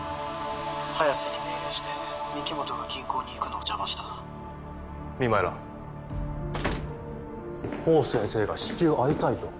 早瀬に命令して御木本が銀行に行くのを邪魔した何先生が至急会いたいと